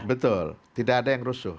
betul tidak ada yang rusuh